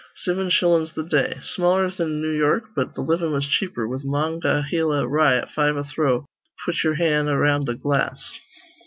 Siven shillin's th' day. Smaller thin New York, but th' livin' was cheaper, with Mon'gahela rye at five a throw, put ye'er hand around th' glass.